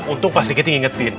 untung pas dikit ingetin